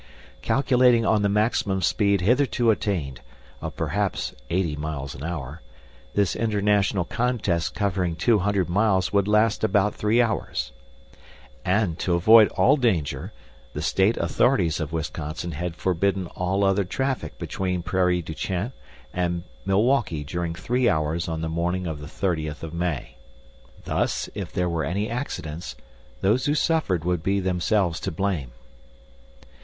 Calculating on the maximum speed hitherto attained, of perhaps eighty miles an hour, this international contest covering two hundred miles would last about three hours. And, to avoid all danger, the state authorities of Wisconsin had forbidden all other traffic between Prairie du chien and Milwaukee during three hours on the morning of the thirtieth of May. Thus, if there were any accidents, those who suffered would be themselves to blame.